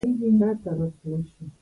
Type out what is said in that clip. د دوستانو زیارت او ملاقات ته پلي لاړ شئ.